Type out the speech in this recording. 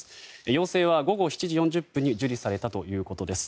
要請は午後７時４０分に受理されたということです。